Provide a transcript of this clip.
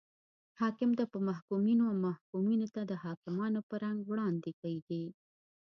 حاکم ته په محکومینو او محکومینو ته د حاکمانو په رنګ وړاندې کیږي.